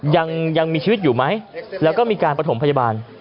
ยังมีชีวิตอยู่ไหมแล้วก็มีการประถมพยาบาล